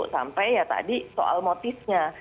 sampai ya tadi soal motifnya